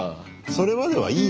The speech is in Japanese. それまではいいのか。